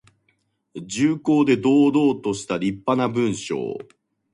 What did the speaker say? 重厚で堂々としたりっぱな文章。